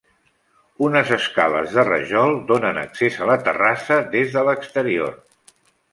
Unes escales de rajol donen accés a la terrassa des de l'exterior.